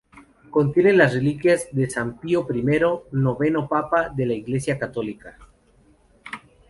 Contiene las reliquias de San Pío I, noveno papa de la Iglesia católica.